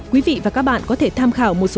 quý vị và các bạn có thể tham khảo các bài hát này